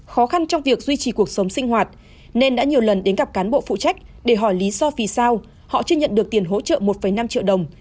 khó khăn trong việc duy trì cuộc sống sinh hoạt nên đã nhiều lần đến gặp cán bộ phụ trách để hỏi lý do vì sao họ chưa nhận được tiền hỗ trợ một năm triệu đồng